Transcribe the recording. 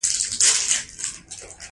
هغه د کتاب په بڼه د مینې سمبول جوړ کړ.